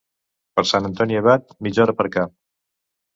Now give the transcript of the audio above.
Per Sant Antoni Abat, mitja hora per cap.